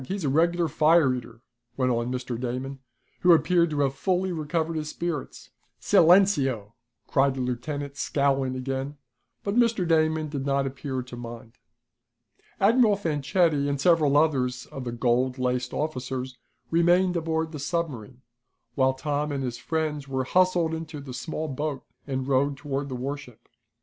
He's a regular fire eater!" went on Mr. Damon, who appeared to have fully recovered his spirits. "Silenceo!" cried the lieutenant, scowling again, but Mr. Damon did not appear to mind. Admiral Fanchetti and several others of the gold laced officers remained aboard the submarine, while Tom and his friends were hustled into the small boat and rowed toward the warship.